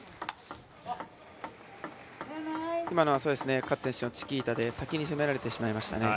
今のはカツ選手のチキータで先に攻められてしまいました。